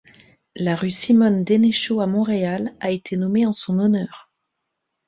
La rue Simone-Dénéchaud à Montréal a été nommée en son honneur.